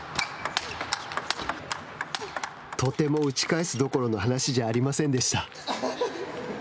とても打ち返すどころの話じゃありませんでした。